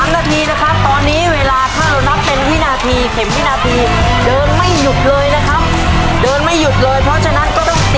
๑ไม้นะครับคนละ๑ไม้ไปแล้วนะฮะ